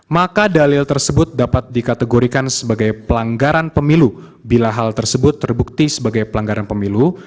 maka dalil tersebut dapat dikategorikan sebagai pelanggaran pemilu bila hal tersebut terbukti sebagai pelanggaran pemilu